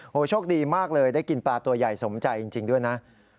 โอ้โหโชคดีมากเลยได้กินปลาตัวใหญ่สมใจจริงด้วยนะ